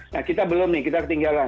nah kita belum nih kita ketinggalan